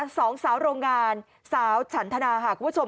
สองสาวโรงงานสาวฉันธนาค่ะคุณผู้ชม